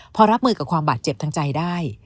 พอรับมือกับความบาดเจ็บทางใจได้